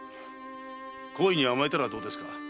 好意に甘えたらどうですか？